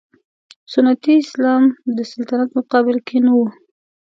سنتي اسلام د سلطنت په مقابل کې نه و.